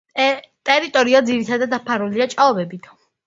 ტერიტორია ძირითადად დაფარულია ჭაობებით.